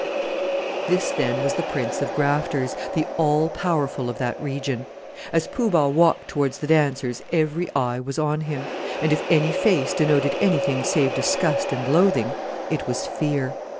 This, then, was the prince of grafters, the all powerful of that region. As Poo Bah walked towards the dancers every eye was on him; and if any face denoted anything save disgust and loathing, it was fear.